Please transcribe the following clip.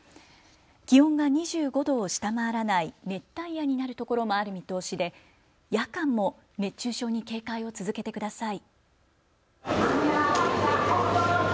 気温が２５度を下回らない熱帯夜になる所もある見通しで夜間も熱中症に警戒を続けてください。